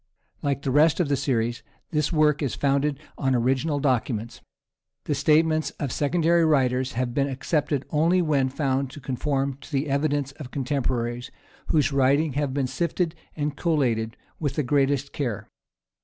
Like the rest of the series, this work is founded on original documents. The statements of secondary writers have been accepted only when found to conform to the evidence of contemporaries, whose writings have been sifted and collated with the greatest care.